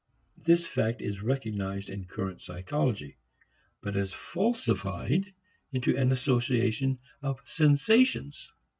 This fact is recognized in current psychology, but is falsified into an association of sensations.